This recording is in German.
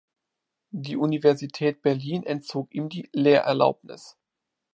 Die Universität Berlin entzog ihm die Lehrerlaubnis.